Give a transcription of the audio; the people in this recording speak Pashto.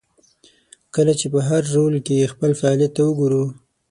کله چې په هر رول کې خپل فعالیت ته وګورو.